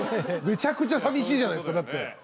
めちゃくちゃ寂しいじゃないですかだって。